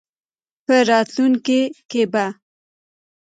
په راتلونکې کې به